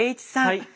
はい。